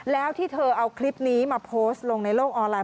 แล้วที่เธอเอาคลิปนี้มาโพสต์ลงในโลกออนไลน